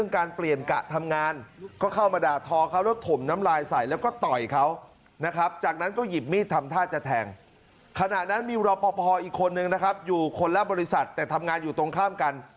คนและบริษัทแต่ทำงานอยู่ตรงข้ามกัน